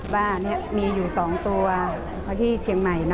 ว่ามีอยู่๒ตัวเที่ยงใหม่